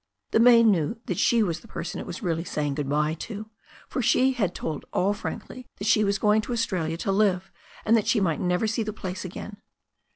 The bay knew that she was the person it was really saying good bye to, for she had told all frankly that she was going to Australia to live, and that she might never see the place again.